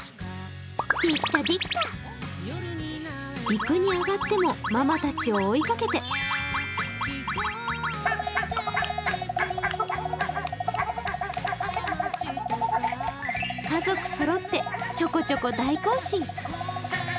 陸に上がってもママたちを追いかけて家族そろってちょこちょこ大行進。